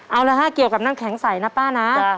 เอาละฮะเกี่ยวกับน้ำแข็งใสนะป้านะ